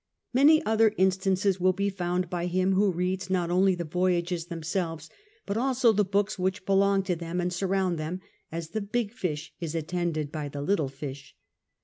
Many other instances will be found by him who reads not only the Voyages themselves, but also the books which belong to them and surround them, as the big lish is attended by the little fish.